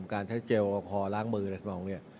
การใช้เจลขอล้างมืออะไรสมัครอย่างนี้